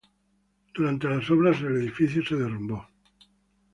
Durante las obras el edificio se derrumbó.